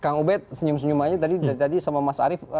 kang ubed senyum senyum aja tadi sama mas arief